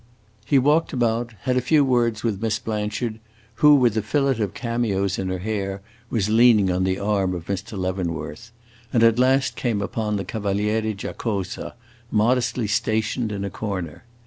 He walked about, had a few words with Miss Blanchard, who, with a fillet of cameos in her hair, was leaning on the arm of Mr. Leavenworth, and at last came upon the Cavaliere Giacosa, modestly stationed in a corner.